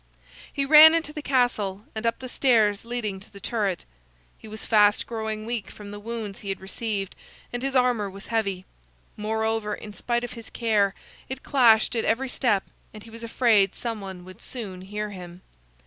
He ran into the castle, and up the stairs leading to the turret. He was fast growing weak from the wounds he had received, and his armor was heavy. Moreover, in spite of his care, it clashed at every step, and he was afraid some one would soon hear him.